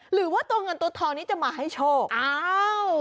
หรือว่าตัวเงินตัวทองนี้จะมาให้โชคอ้าว